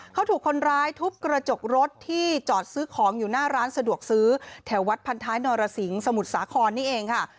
เขาถูกคนร้ายทุบกระจกรถที่จอดซื้อของอยู่หน้าร้านสะดวกซื้อแถววัดพันท้ายนรสิงสมุทรสาครนี่เองค่ะ